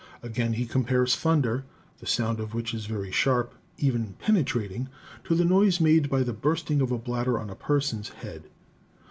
Again, he com pares thunder, "the sound of which is very sharp, even penetrating, to the noise made by the bursting of a bladder on a person's head."